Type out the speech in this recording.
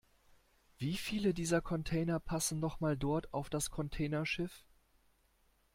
Wie viele dieser Container passen noch mal dort auf das Containerschiff?